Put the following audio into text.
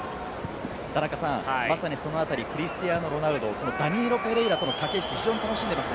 そのあたり、クリスティアーノ・ロナウド、ダニーロ・ペレイラとの駆け引きを非常に楽しんでます。